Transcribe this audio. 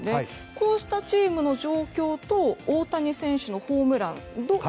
こうしたチーム状況と大谷選手のホームラン